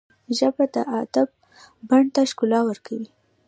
ژبه د ادب بڼ ته ښکلا ورکوي